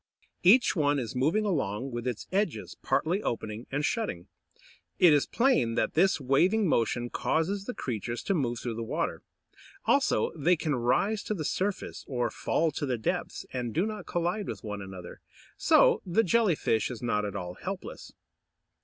Each one is moving along, with its edges partly opening and shutting. It is plain that this waving motion causes the creatures to move through the water. Also, they can rise to the surface, or fall to the depths, and do not collide with one another. So the Jelly fish is not at all helpless.